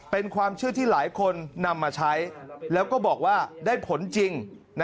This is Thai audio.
เป็นความเชื่อที่หลายคนนำมาใช้แล้วก็บอกว่าได้ผลจริง